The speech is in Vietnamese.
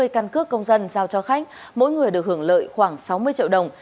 hai mươi căn cước công dân giao cho khách mỗi người được hưởng lợi khoảng sáu mươi triệu đồng